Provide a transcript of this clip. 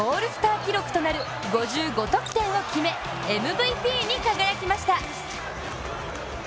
記録となる５５得点を決め、ＭＶＰに輝きました。